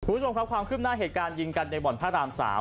คุณผู้ชมครับความคืบหน้าเหตุการณ์ยิงกันในบ่อนพระราม๓